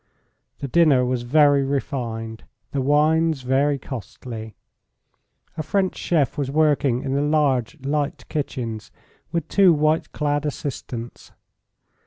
The dinner was very refined, the wines very costly. A French chef was working in the large, light kitchens, with two white clad assistants.